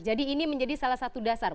jadi ini menjadi salah satu dasar